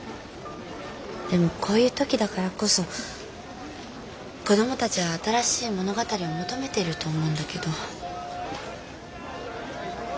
でもこういう時だからこそ子どもたちは新しい物語を求めてると思うんだけど。